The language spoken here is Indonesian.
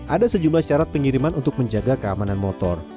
ada sejumlah syarat pengiriman untuk menjaga keamanan motor